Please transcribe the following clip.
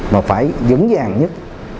mà phải dũng dàng nhất